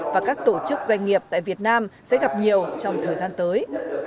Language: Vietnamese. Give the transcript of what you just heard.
và các tổ chức doanh nghiệp tại việt nam sẽ gặp nhiều trong thời gian tới